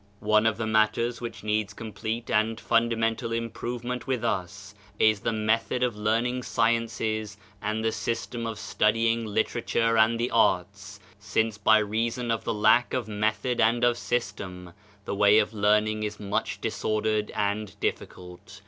One of the matters which needs complete and fundamental improvement with us, is the method of learning sciences and the system of studying literature and the arts, since by reason of the lack of method and of system, the way of learning is much disordered and difficult.